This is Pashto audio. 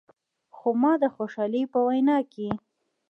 خو ما د خوشحال په وینا کې.